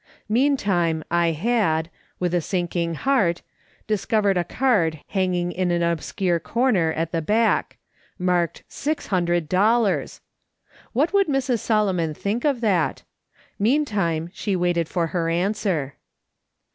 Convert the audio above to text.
Meantime I had, with a sinking heart, discovered a card hanging in an obscure corner at the back, marked six hundred dollars ! What would Mrs. Solomon think of that ? Meantime she waited for her answer.